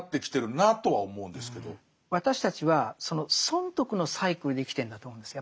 私たちは損得のサイクルで生きてるんだと思うんです